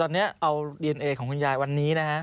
ตอนนี้เอาดีเอนเอของคุณยายวันนี้นะฮะ